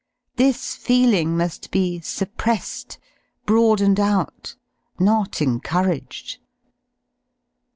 This feeling mu^ be suppressed, broadened out, not encouraged.